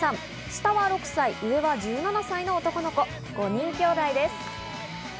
下は６歳、上は１７歳の男の子、５人兄弟です。